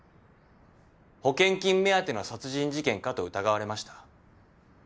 保険金目当ての殺人事件かと疑われました。